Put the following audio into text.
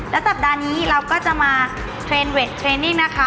และสัปดาห์นี้เราก็จะมาเทรนด์เวทเทรนนิ่งนะคะ